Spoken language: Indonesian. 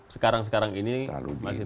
sekarang sekarang ini masih terlalu dini